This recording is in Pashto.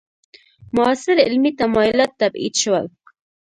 معاصر علمي تمایلات تبعید شول.